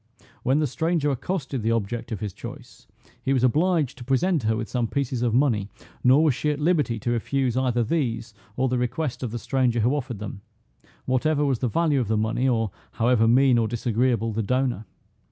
When the stranger accosted the object of his choice, he was obliged to present her with some pieces of money, nor was she at liberty to refuse either these, or the request of the stranger who offered them, whatever was the value of the money, or however mean or disagreeable the donor.